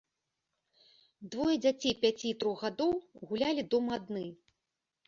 Двое дзяцей пяці і трох гадоў гулялі дома адны.